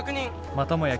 またもや